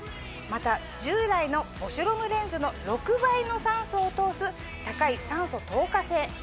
また従来のボシュロムレンズの６倍の酸素を通す高い酸素透過性。